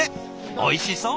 おいしそう！